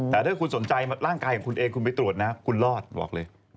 แต่ถ้าคุณสนใจร่างกายของคุณเองคุณไปตรวจนะคุณรอดบอกเลย